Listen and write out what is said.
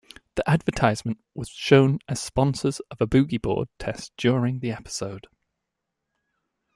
The advertisement was shown as sponsors of a boogie board test during the episode.